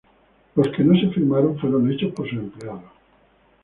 Los que no se firmaron, fueron hechos por sus empleados.